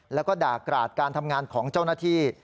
แล้วก็ด่ากราดการทำงานของเจ้าหน้าที่